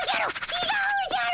ちがうじゃろ。